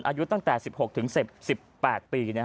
อายุตั้งแต่๑๖๑๘ปี